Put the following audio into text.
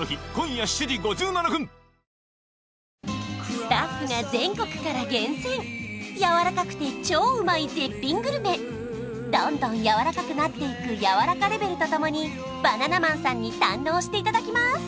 スタッフが全国から厳選やわらかくて超うまい絶品グルメどんどんやわらかくなっていくやわらかレベルとともにバナナマンさんに堪能していただきます！